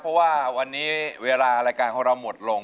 เพราะว่าวันนี้เวลารายการของเราหมดลง